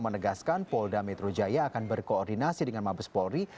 menegaskan polda metro jaya akan berkoordinasi dengan mabes polri